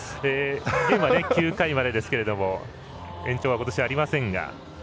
今、９回までですけど延長はことし、ありませんが。